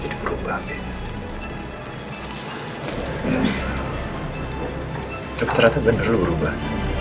tapi ternyata bener berubah